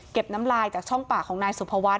น้ำลายจากช่องปากของนายสุภวัฒน